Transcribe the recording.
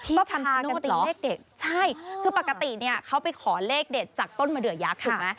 ที่คำชโนธเหรอใช่คือปกติเขาไปขอเลขเด็ดจากต้นมาเดือดยักษ์ถูกไหม